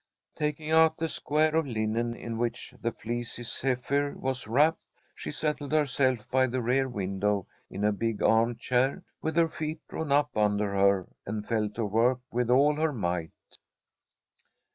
Taking out the square of linen in which the fleecy zephyr was wrapped, she settled herself by the rear window in a big arm chair, with her feet drawn up under her, and fell to work with all her might.